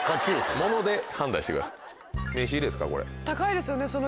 高いですよね